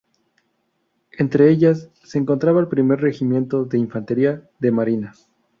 Entre ellas se encontraba el Primer regimiento de Infantería de Marina.